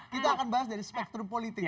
kita akan bahas dari spektrum politik